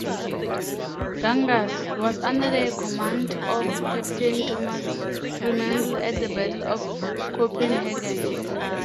"Ganges" was under the command of Captain Thomas Fremantle at the Battle of Copenhagen.